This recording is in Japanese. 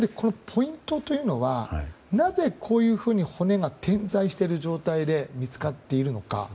ポイントというのはなぜこういうふうに骨が点在している状態で見つかっているのか。